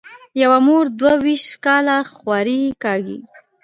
یوه مور دوه وېشت کاله خواري کاږي.